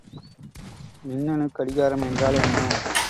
மின்னணுக் கடிகாரம் என்றால் என்ன?